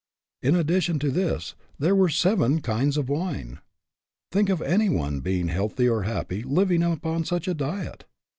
In addition to this, there were seven kinds of wine ! Think of any one being healthy or happy living upon such a diet!